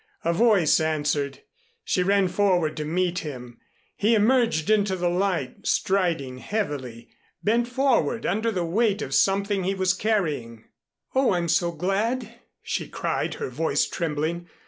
A voice answered. She ran forward to meet him. He emerged into the light striding heavily, bent forward under the weight of something he was carrying. "Oh, I'm so glad," she cried, her voice trembling.